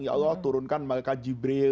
ya allah turunkan malaikat jibril